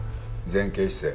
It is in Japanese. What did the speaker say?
前傾姿勢。